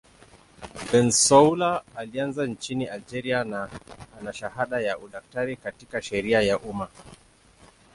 Bensaoula alizaliwa nchini Algeria na ana shahada ya udaktari katika sheria ya umma.